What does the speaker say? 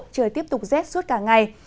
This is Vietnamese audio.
trời tiếp tục rét suốt cả ngày